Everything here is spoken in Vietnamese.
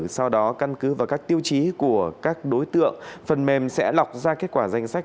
sau đó căn cứ vào các tiêu chí của các đối tượng phần mềm sẽ lọc ra kết quả danh sách